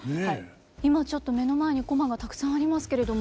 今ちょっと目の前にこまがたくさんありますけれども。